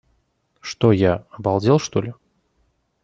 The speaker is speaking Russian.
Что я, обалдел что ли?